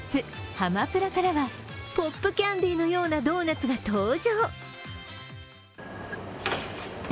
・ｈａｍａ−ｐｌａからはポップキャンディーのようなドーナツが登場。